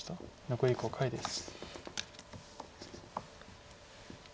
残り５回です。